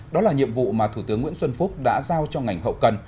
đó là nhiệm vụ mà thủ tướng nguyễn xuân phúc đã giao cho ngành hậu cần